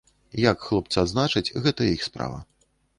Як хлопцы адзначаць, гэта іх справа.